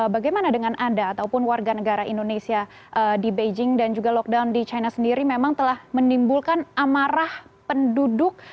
bagaimana dengan anda ataupun warga negara indonesia di beijing dan juga lockdown di china sendiri memang telah menimbulkan amarah penduduk